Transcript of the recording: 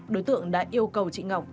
đối tượng đã yêu cầu chị ngọc